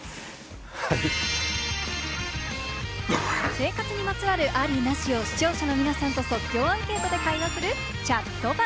生活にまつわるあり・なしを視聴者の皆さんと即興アンケートで会話するチャットバ。